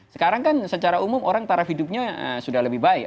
sekarang kan secara umum orang taraf hidupnya sudah lebih baik